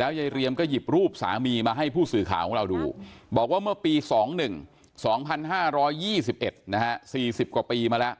ยายเรียมก็หยิบรูปสามีมาให้ผู้สื่อข่าวของเราดูบอกว่าเมื่อปี๒๑๒๕๒๑นะฮะ๔๐กว่าปีมาแล้ว